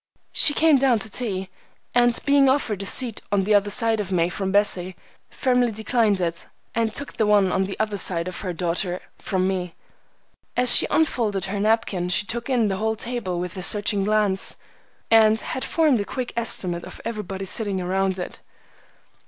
She came down to tea, and being offered a seat on the other side of me from Bessie, firmly declined it, and took the one on the other side of her daughter from me. As she unfolded her napkin she took in the whole table with a searching glance, and had formed a quick estimate of everybody sitting around it.